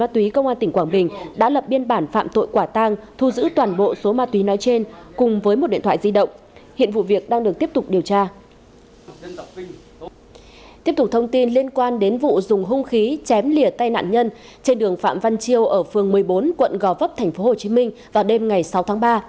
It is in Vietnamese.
tiếp tục thông tin liên quan đến vụ dùng hung khí chém lìa tay nạn nhân trên đường phạm văn chiêu ở phường một mươi bốn quận gò vấp tp hcm vào đêm ngày sáu tháng ba